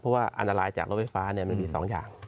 เพราะว่าอันตรายจากรถไฟฟ้ามันมี๒อย่าง